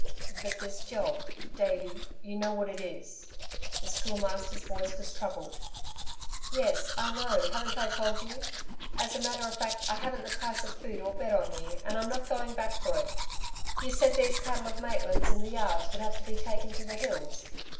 "But this job, Davey, you know what it is." The Schoolmaster's voice was troubled. "Yes, I know haven't I told you. As a matter of fact I haven't the price of food or a bed on me, and I'm not going back for it. You said these cattle of Maitland's in the yards would have to be taken to the hills.